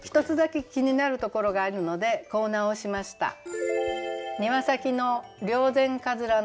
１つだけ気になるところがあるのでこう直しました。